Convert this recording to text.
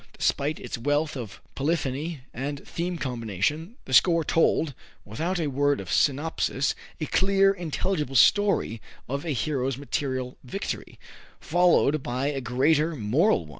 Despite its wealth of polyphony and theme combination, the score told, without a word of synopsis, a clear intelligible story of a hero's material victory, followed by a greater moral one.